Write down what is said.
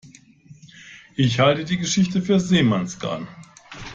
Ich halte die Geschichte für Seemannsgarn.